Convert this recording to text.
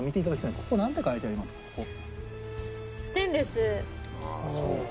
ここなんて書いてありますか？